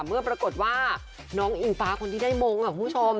เมื่อปรากฏว่าน้องอิงฟ้าคนที่ได้มงค่ะคุณผู้ชม